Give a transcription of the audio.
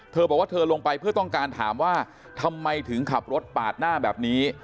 เธอบอกว่าเธอลงไปเพื่อต้องการถามว่าทำไมถึงขับรถปาดหน้าแบบนี้